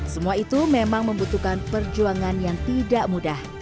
semua itu memang membutuhkan perjuangan yang tidak mudah